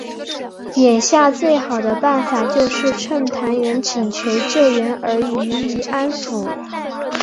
眼下最好的办法就是趁袁谭请求救援而予以安抚。